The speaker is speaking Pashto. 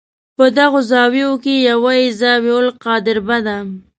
په دغو زاویو کې یوه یې الزاویة القادربه ده.